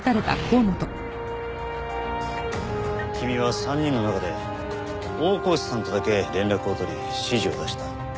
君は３人の中で大河内さんとだけ連絡を取り指示を出した。